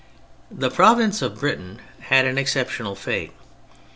The Province of Britain had an excep tional fate.